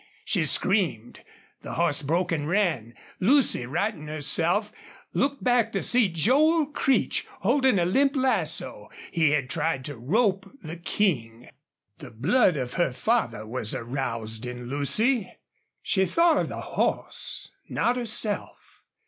She screamed. The horse broke and ran. Lucy, righting herself, looked back to see Joel Creech holding a limp lasso. He had tried to rope the King. The blood of her father was aroused in Lucy. She thought of the horse not herself.